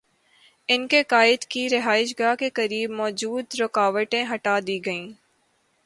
ان کے قائد کی رہائش گاہ کے قریب موجود رکاوٹیں ہٹا دی گئیں۔